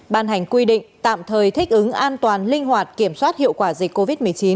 ban hành quy định tạm thời thích ứng an toàn linh hoạt kiểm soát hiệu quả dịch covid một mươi chín